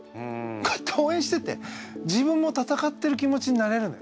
こうやって応援してて自分も戦ってる気持ちになれるのよ。